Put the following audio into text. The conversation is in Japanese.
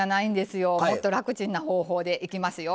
もっと楽チンな方法でいきますよ。